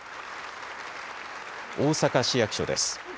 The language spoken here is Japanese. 大阪市役所です。